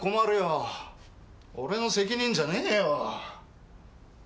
俺の責任じゃねーよ！